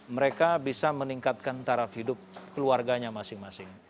mereka bisa meningkatkan taraf hidup keluarganya masing masing